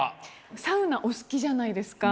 サウナお好きじゃないですか？